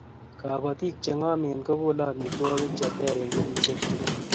kabatik chengamen kokole amitwangik cheter eng kenyishek tugul